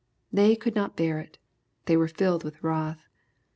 They could not bear it. They were " filled with wr^h."